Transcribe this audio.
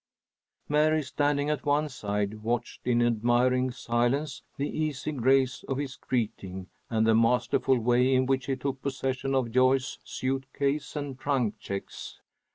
Mary, standing at one side, watched in admiring silence the easy grace of his greeting and the masterful way in which he took possession of Joyce's suit case and trunk checks.